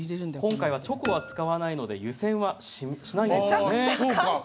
今回はチョコは使わないので湯煎しないんです。